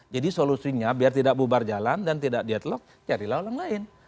jadi solusinya biar tidak bubar jalan dan tidak deadlock carilah orang lain